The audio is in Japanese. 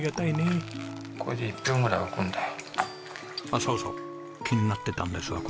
あっそうそう気になってたんですが